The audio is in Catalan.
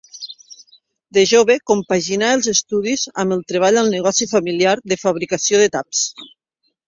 De jove compaginà els estudis amb el treball al negoci familiar de fabricació de taps.